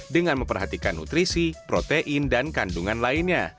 dengan memperhatikan nutrisi protein dan kandungan lainnya